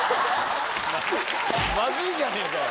まずいんじゃねえか。